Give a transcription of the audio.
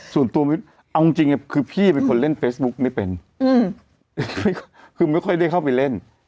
ส่วนตัวเอาจริงคือพี่เป็นคนเล่นเฟซบุ๊กไม่เป็นคือไม่ค่อยได้เข้าไปเล่น